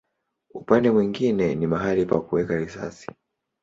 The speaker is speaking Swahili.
Upande mwingine ni mahali pa kuweka risasi.